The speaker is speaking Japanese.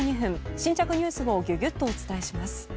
新着ニュースをギュギュッとお伝えします。